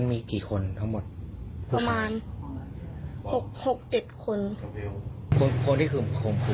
พี่มีสองคนแล้วก็หนู